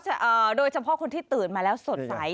ใช่แล้วค่ะโดยเฉพาะคนที่ตื่นมาแล้วสดใส